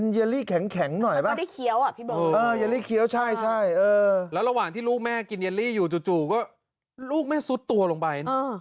เยลลี่เขียวใช่ใช่เออแล้วระหว่างที่ลูกแม่กินเยลลี่อยู่จู่จู่ก็ลูกแม่ซุดตัวลงไปเออ